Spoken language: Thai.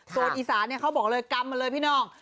ส่วนอีสานเขาบอกเลยกรรมมาเลยพี่น้อง